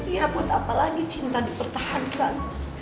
ya buat apa lagi cinta dipertahankan